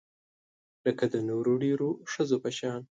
لکه د نورو ډیرو ښځو په شان